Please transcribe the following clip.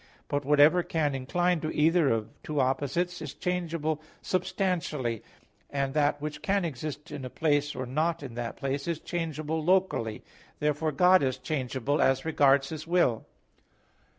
But whatever can incline to either of two opposites, is changeable substantially; and that which can exist in a place or not in that place, is changeable locally. Therefore God is changeable as regards His will.